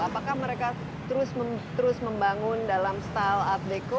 apakah mereka terus membangun dalam style art deko